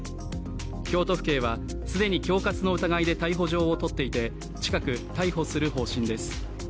京都府警は既に恐喝の疑いで逮捕状を取っていて近く逮捕する方針です。